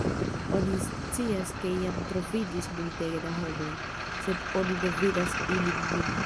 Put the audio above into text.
Oni scias ke iam troviĝis multege da homoj, sed oni ne vidas ilin nun.